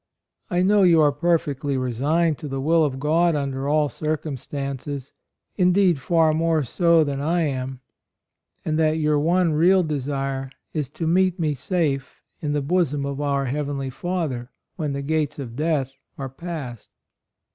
I know you are perfectly resigned to the will of God under all circumstances — indeed far more so than I am,— and that your one real desire is to meet me safe in the bosom of our Heavenly Father when the gates of death are passed."